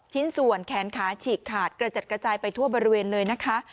ชิ้นส่วนแขนขาฉีกขาดกระจัดกระจายไปทั่วบริเวณเลยนะคะ